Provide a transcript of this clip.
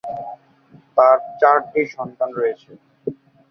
তার চারটি সন্তান রয়েছে।